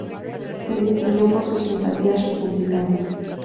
Se distinguió por sus simpatías republicanas.